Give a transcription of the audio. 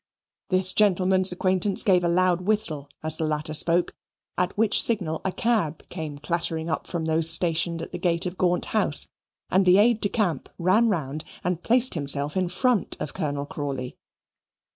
This gentleman's acquaintance gave a loud whistle as the latter spoke, at which signal a cab came clattering up from those stationed at the gate of Gaunt House and the aide de camp ran round and placed himself in front of Colonel Crawley.